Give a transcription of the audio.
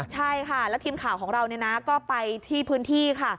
ใช่ค่ะแล้วทีมข่าวของเราก็ไปที่พื้นที่ค่ะ